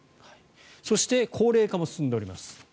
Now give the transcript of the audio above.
そして、高齢化も進んでいます。